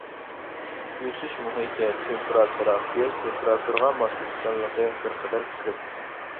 ئۆسۈش مۇھىتى تېمپېراتۇرا پىياز تېمپېراتۇرىغا ماسلىشىشچانلىقى بىر قەدەر كۈچلۈك.